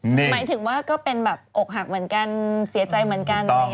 หมายถึงว่าก็เป็นแบบอกหักเหมือนกันเสียใจเหมือนกัน